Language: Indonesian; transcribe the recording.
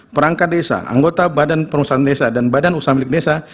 perangkat desa anggota badan perusahaan desa dan badan usaha milik desa